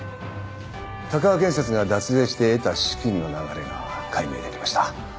鷹和建設が脱税して得た資金の流れが解明できました。